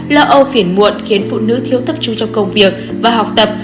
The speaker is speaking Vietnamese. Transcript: lo âu phiền muộn khiến phụ nữ thiếu tập trung trong công việc và học tập